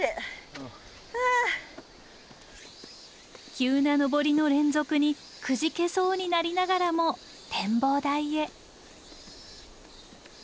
急な登りの連続にくじけそうになりながらも展望台へ。